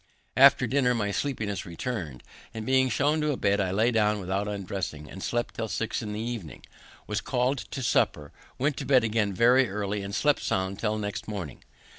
After dinner, my sleepiness return'd, and being shown to a bed, I lay down without undressing, and slept till six in the evening, was call'd to supper, went to bed again very early, and slept soundly till next morning.